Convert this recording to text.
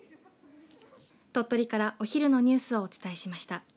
鳥取から、お昼のニュースをお伝えしました。